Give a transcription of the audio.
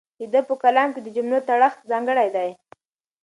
د ده په کلام کې د جملو تړښت ځانګړی دی.